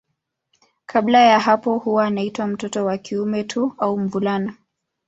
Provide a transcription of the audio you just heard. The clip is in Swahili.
Kabla ya hapo huwa anaitwa mtoto wa kiume tu au mvulana.